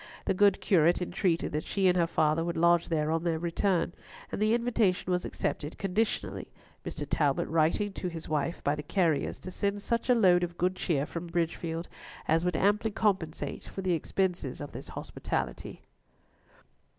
The good curate entreated that she and her father would lodge there on their return, and the invitation was accepted conditionally, Mr. Talbot writing to his wife, by the carriers, to send such a load of good cheer from Bridgefield as would amply compensate for the expenses of this hospitality.